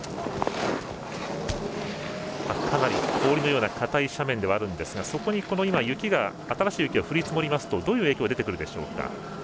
かなり氷のようなかたい斜面ではあるんですがそこに新しい雪が降り積もりますとどういう影響が出てくるでしょう。